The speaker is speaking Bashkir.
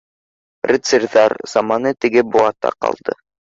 Рыцарҙар заманы теге быуатта ҡалды